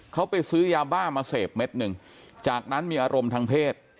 เขาไปซื้อยาบ้ามาเสพเม็ดหนึ่งจากนั้นมีอารมณ์ทางเพศ